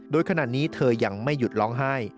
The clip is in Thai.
โดยขณะนี้เธอยังไม่หยุดร้องไห้